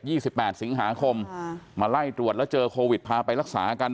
ี่สิบแปดสิงหาคมค่ะมาไล่ตรวจแล้วเจอโควิดพาไปรักษากัน